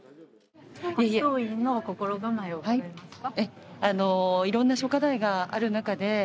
初登院の心構えを伺えますか？